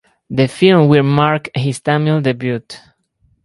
The film will mark his Tamil debut.